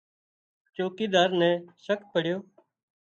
چوڪيڌار نين شڪ پڙيو